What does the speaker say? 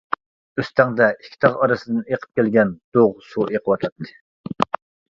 ئۆستەڭدە ئىككى تاغ ئارىسىدىن ئېقىپ كەلگەن دۇغ سۇ ئېقىۋاتاتتى.